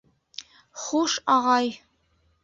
Хуш, ағай!